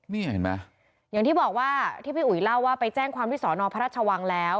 นี่เห็นไหมอย่างที่บอกว่าที่พี่อุ๋ยเล่าว่าไปแจ้งความที่สอนอพระราชวังแล้ว